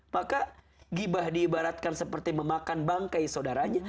maka gibah diibaratkan seperti memakan bangkai saudaranya